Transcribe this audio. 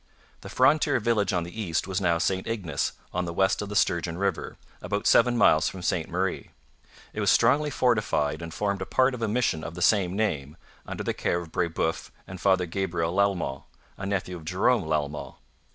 The frontier village on the east was now St Ignace, on the west of the Sturgeon river, about seven miles from Ste Marie. It was strongly fortified and formed a part of a mission of the same name, under the care of Brebeuf and Father Gabriel Lalemant, a nephew of Jerome Lalemant.